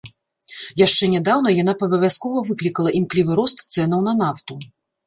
Яшчэ нядаўна яна б абавязкова выклікала імклівы рост цэнаў на нафту.